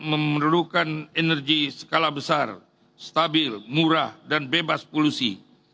memerlukan energi skala besar stabil murah dan bebas polusi